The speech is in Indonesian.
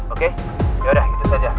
oke ya udah itu saja